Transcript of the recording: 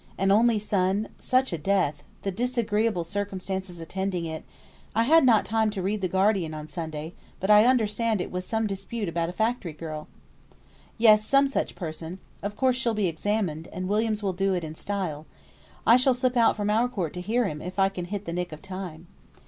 an only son, such a death, the disagreeable circumstances attending it; I had not time to read the Guardian on Saturday, but I understand it was some dispute about a factory girl." "Yes, some such person. Of course she'll be examined, and Williams will do it in style. I shall slip out from our court to hear him if I can hit the nick of time."